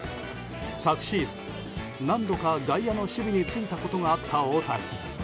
昨シーズン、何度か外野の守備に就いたことがあった大谷。